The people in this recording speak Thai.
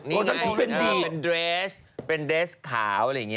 นี่ไงเป็นเดรสเป็นเดรสขาวอะไรอย่างนี้